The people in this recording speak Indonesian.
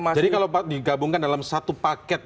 masih jadi kalau digabungkan dalam satu paket